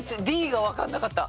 Ｄがわからなかった。